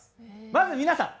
まず皆さん！